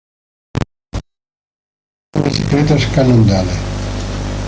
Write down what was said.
El equipo utilizó bicicletas "Cannondale".